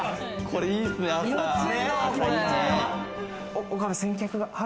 これいいですね、朝。